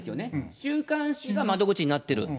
週刊誌が窓口になってる。